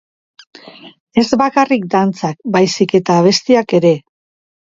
Ez bakarrik dantzak, baizik eta abestiak ere.